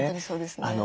そうですね。